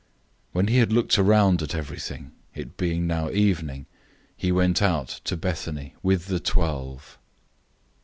When he had looked around at everything, it being now evening, he went out to Bethany with the twelve.